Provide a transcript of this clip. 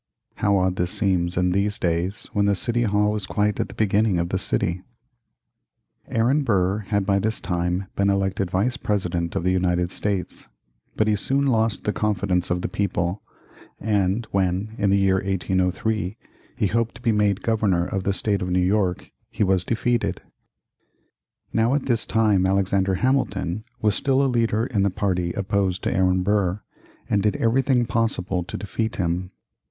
How odd this seems in these days, when the City Hall is quite at the beginning of the city. Aaron Burr had by this time been elected Vice President of the United States. But he soon lost the confidence of the people, and when, in the year 1803, he hoped to be made Governor of the State of New York, he was defeated. [Illustration: The Grange, Kingsbridge Road, the Residence of Alexander Hamilton.] Now at this time Alexander Hamilton was still a leader in the party opposed to Aaron Burr, and did everything possible to defeat him.